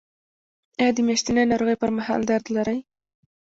ایا د میاشتنۍ ناروغۍ پر مهال درد لرئ؟